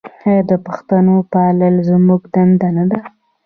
آیا د پښتو پالل زموږ دنده نه ده؟